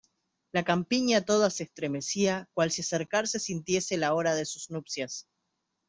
la campiña toda se estremecía cual si acercarse sintiese la hora de sus nupcias